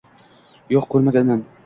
— Yo’q, ko’rmaganman…